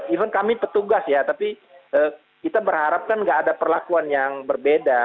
even kami petugas ya tapi kita berharap kan gak ada perlakuan yang berbeda